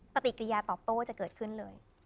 ปฏิกิริยาตอบโต้จะเกิดขึ้นเลย